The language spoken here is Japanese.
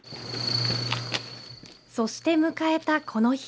そして迎えたこの日。